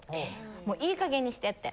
もういい加減にしてって。